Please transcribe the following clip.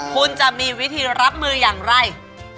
คุณจะมีวิธีรับมือยังไหร่